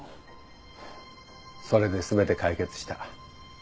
それで全て解決した。